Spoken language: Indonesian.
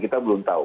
kita belum tahu